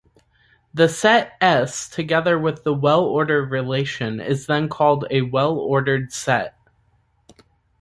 The set "S" together with the well-order relation is then called a well-ordered set.